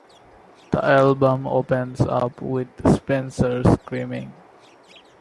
The album opens up with Spencer screaming.